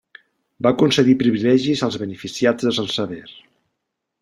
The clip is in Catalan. Va concedir privilegis als beneficiats de Sant Sever.